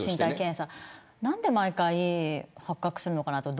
何で毎回発覚するのかなって。